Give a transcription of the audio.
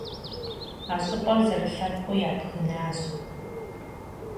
А щӏыпӏэр зэрылъэпкъыу ябгынащ.